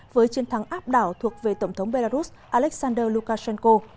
với chiến thắng áp đảo thuộc về tổng thống belarus alexander lukashenko